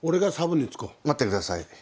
待ってください。